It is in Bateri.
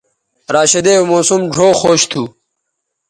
راشدے او موسم ڙھؤ خوش تھو